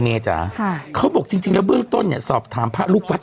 จ๋าค่ะเขาบอกจริงจริงแล้วเบื้องต้นเนี่ยสอบถามพระลูกวัด